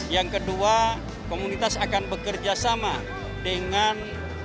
yang kedua komunitas akan bekerja sama dengan